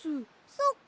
そっか。